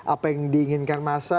apa yang diinginkan massa